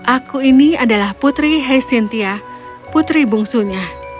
aku ini adalah putri heisintia putri bungsunya